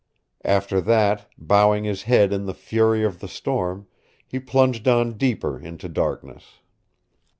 After that, bowing his head in the fury of the storm, he plunged on deeper into darkness.